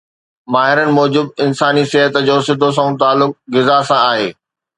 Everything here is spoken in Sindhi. ماهرن موجب انساني صحت جو سڌو سنئون تعلق غذا سان آهي